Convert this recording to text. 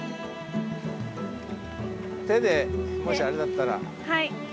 手でもしあれだったら。